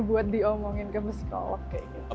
buat diomongin ke psikolog kayak gitu